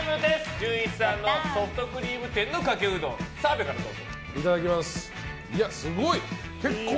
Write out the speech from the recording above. じゅんいちさんのソフトクリーム店のかけうどん澤部からどうぞ。